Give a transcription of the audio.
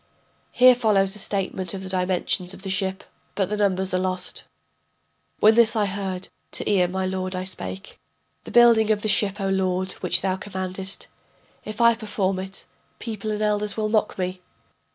[Here follows a statement of the dimensions of the ship, but the numbers are lost.] When this I heard to Ea my lord I spake: The building of the ship, O lord, which thou commandest If I perform it, people and elders will mock me.